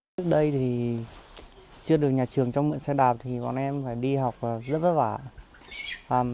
trước đây thì chưa được nhà trường cho mượn xe đạp thì bọn em phải đi học rất vất vả